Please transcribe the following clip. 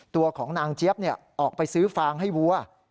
ตัวของนางเจี๊ยบออกไปซื้อฟางให้วัว